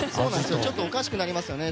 ちょっとおかしくなりますよね